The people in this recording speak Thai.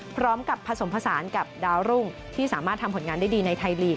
พร้อมกับผสมผสานกับดาวรุ่งที่สามารถทำผลงานได้ดีในไทยลีก